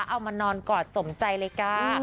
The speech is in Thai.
เอามานอนกอดสมใจเลยจ้า